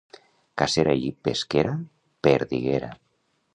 Cacera i pesquera, perdiguera.